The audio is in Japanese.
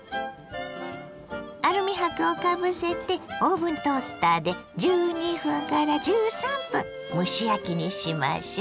アルミ箔をかぶせてオーブントースターで１２１３分蒸し焼きにしましょ。